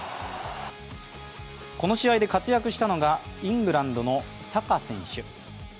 この試合で活躍したのがイングランドのサカ選手。